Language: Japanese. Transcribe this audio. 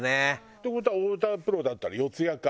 っていう事は太田プロだったら四谷か。